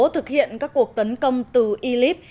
thực hiện các cuộc tấn công từ idlib